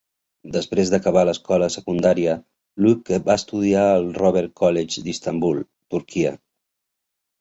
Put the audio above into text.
Després d'acabar l'escola secundària, Luebke va estudiar al Robert College d'Istambul (Turquia).